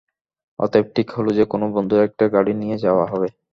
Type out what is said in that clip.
অতএব ঠিক হলো যে, কোনো বন্ধুর একটা গাড়ি নিয়ে যাওয়া হবে।